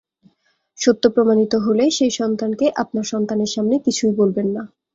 সত্য প্রমাণিত হলে সেই সন্তানকে আপনার সন্তানের সামনে কিছু বলবেন না।